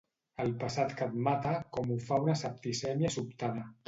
El passat que et mata com ho fa una septicèmia sobtada.